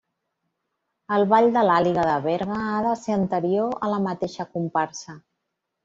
El ball de l'Àliga de Berga ha de ser anterior a la mateixa comparsa.